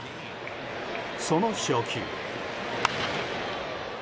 その初球。